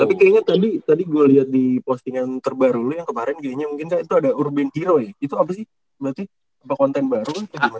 tapi kayaknya tadi gue liat di posting yang terbaru lu yang kemarin kayaknya mungkin kan itu ada urban hero ya itu apa sih berarti apa konten baru